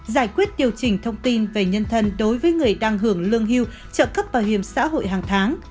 giải quyết điều chỉnh thông tin về nhân thân đối với người đang hưởng lương hưu trợ cấp bảo hiểm xã hội hàng tháng